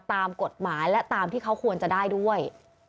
ตามกฎหมายและตามที่เขาควรจะได้ด้วย